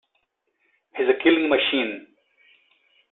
He's a killing machine.